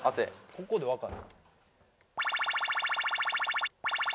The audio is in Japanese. ここでわかる？